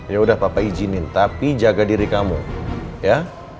yaudah papa izinin tapi jaga diri kamu ya